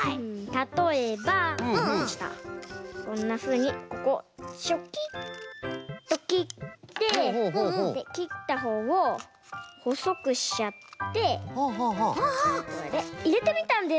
たとえばこんなふうにここチョキッときってできったほうをほそくしちゃってこれでいれてみたんです。